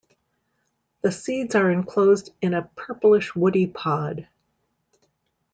The seeds are enclosed in a purplish woody pod.